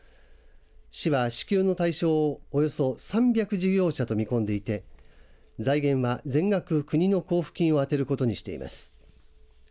市は支給の対象をおよそ３００事業者と見込んでいて財源は、全額国の交付金を充てることにしています。